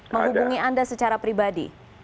menghubungi anda secara pribadi